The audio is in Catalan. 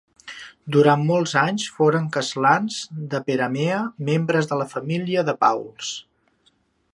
Durant molts anys foren castlans de Peramea membres de la família de Paüls.